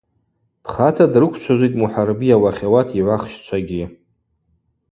Пхата дрыквчважвитӏ Мухӏарби ауахьауат йгӏвахщчвагьи.